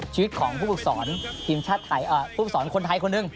ชีวิตของผู้ฝึกสอนทีมชาติไทยผู้ฝึกสอนคนไทยคนหนึ่ง